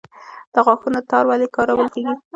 د غاښونو تار ولې کارول کیږي؟